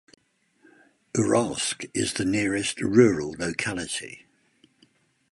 Uralsk is the nearest rural locality.